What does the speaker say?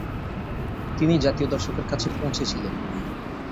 তিনি জাতীয় দর্শকের কাছে পৌঁছেছিলেন।